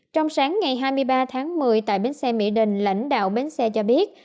trong sáng ngày hai mươi ba tháng một mươi tại bến xe mỹ đình lãnh đạo bến xe cho biết